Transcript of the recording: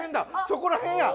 そこらへんや！